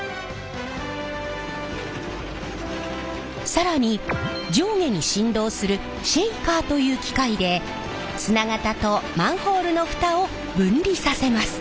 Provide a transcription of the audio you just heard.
更に上下に振動するシェイカーという機械で砂型とマンホールの蓋を分離させます。